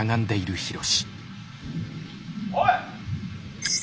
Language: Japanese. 「おい！」。